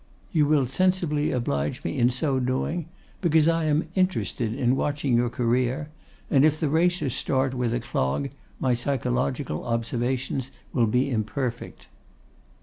You will sensibly oblige me in so doing: because I am interested in watching your career, and if the racer start with a clog my psychological observations will be imperfect.